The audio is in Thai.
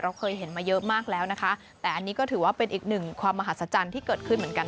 เคยเห็นมาเยอะมากแล้วนะคะแต่อันนี้ก็ถือว่าเป็นอีกหนึ่งความมหัศจรรย์ที่เกิดขึ้นเหมือนกัน